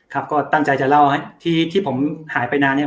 ครับก็ตั้งใจจะเล่าให้ที่ผมหายไปนานเนี่ย